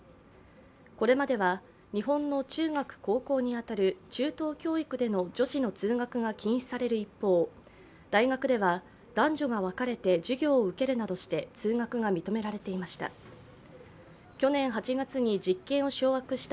これまでは日本の中学、高校に当たる中等教育での女子の通学が禁止される一方、大学では男女が分かれて授業を受けるなどして通学が認められていました。